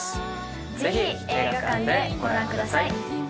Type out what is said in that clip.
ぜひ映画館でご覧ください。